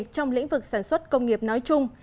trong lĩnh vực sản xuất công nghiệp nói chung